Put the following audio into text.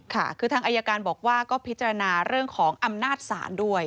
ค่ะคือทางอายการบอกว่าก็พิจารณาเรื่องของอำนาจศาลด้วย